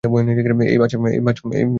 এই বাচ্চা দাঁড়াও।